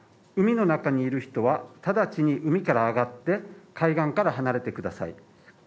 海の中にいる人は直ちに海から上がって、海岸から離れてください